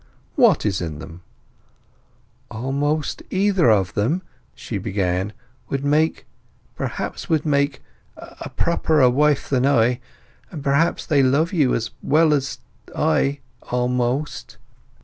"What is in them?" "Almost either of 'em," she began, "would make—perhaps would make—a properer wife than I. And perhaps they love you as well as I—almost."